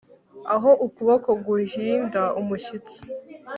Aho ukuboko guhinda umushyitsi